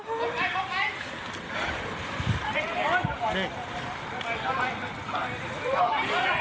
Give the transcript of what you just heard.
เด็ก